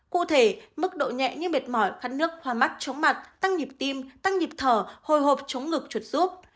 cụ thể mức độ nhẹ như mệt mỏi khát nước hoa mắt chống mặt tăng nhịp tim tăng nhịp thở hồi hộp chống ngực chuột giúp